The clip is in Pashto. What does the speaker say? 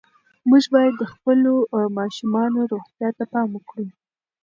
موږ باید د خپلو ماشومانو روغتیا ته پام وکړو.